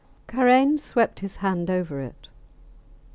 Karain swept his hand over it.